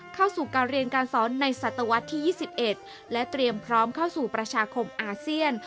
เข้าสู่การเรียนการสอนในศตวรรษที่๒๑และเตรียมพร้อมเข้าสู่ประชาคมอาเซียน